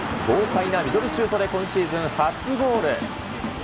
豪快なミドルシュートで今シーズン初ゴール。